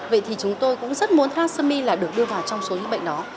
vậy thì chúng tôi cũng rất muốn thrasamilac được đưa vào trong số những bệnh đó